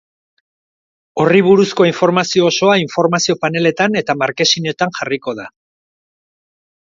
Horri buruzko informazio osoa informazio-paneletan eta markesinetan jarriko da.